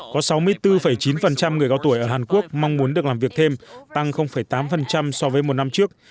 có sáu mươi bốn chín người cao tuổi ở hàn quốc mong muốn được làm việc thêm tăng tám so với một năm trước